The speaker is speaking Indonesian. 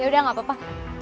ya udah gak apa apa